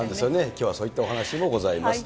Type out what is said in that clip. きょうはそういったお話もございます。